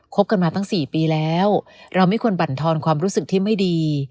บกันมาตั้ง๔ปีแล้วเราไม่ควรบรรทอนความรู้สึกที่ไม่ดี